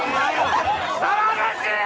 騒がしい！